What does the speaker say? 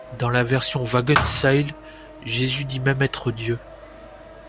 Dans la version Wagenseil, Jésus dit même être Dieu.